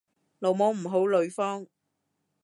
老母唔好呂方